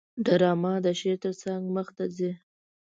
ډرامه د شعر ترڅنګ مخته ځي